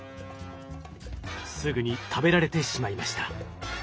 すぐに食べられてしまいました。